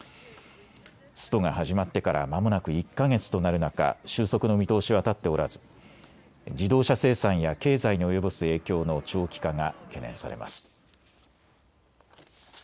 ストが始まってからまもなく１か月となる中、収束の見通しは立っておらず自動車生産や経済に及ぼす影響の長期化が懸念されます。